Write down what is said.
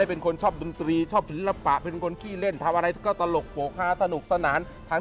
เออจริงเป็นอย่างนั้นจริง